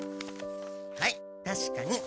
はいたしかに。